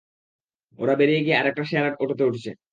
ওরা বেরিয়ে গিয়ে আর একটা শেয়ার অটোতে উঠেছে।